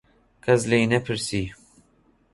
کەس لێی نەپرسی.